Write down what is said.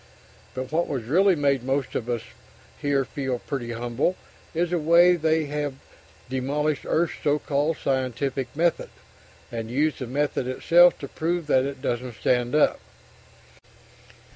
But what has really made most of us here feel pretty humble is the way they have demolished Earth's so called "scientific method" and used the method itself to prove that it doesn't stand up!